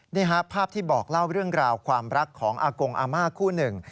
นี่ครับภาพที่บอกเล่าเรื่องราวความรักของอากงอาม่าคู่หนึ่ง